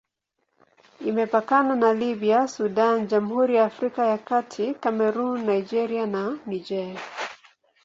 Imepakana na Libya, Sudan, Jamhuri ya Afrika ya Kati, Kamerun, Nigeria na Niger.